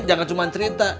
jangan cuma cerita